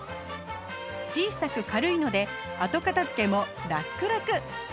小さく軽いので後片付けもラックラク